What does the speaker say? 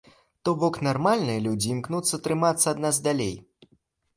То бок, нармальныя людзі імкнуцца трымацца ад нас далей.